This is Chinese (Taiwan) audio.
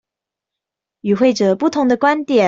與會者不同的觀點